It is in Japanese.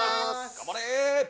頑張れ！